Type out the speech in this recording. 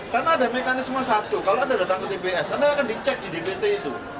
karena ada mekanisme satu kalau anda datang ke tps anda akan dicek di dpt itu